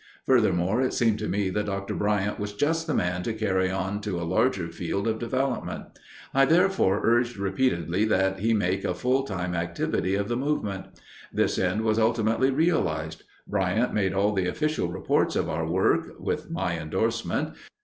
Furthermore, it seemed to me that Dr. Bryant was just the man to carry on to a larger field of development. I therefore urged repeatedly that he make a full time activity of the movement. This end was ultimately realized. Bryant made all the official reports of our work (with my endorsement).